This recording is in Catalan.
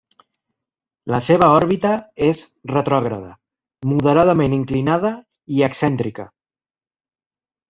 La seva òrbita és retrògrada, moderadament inclinada i excèntrica.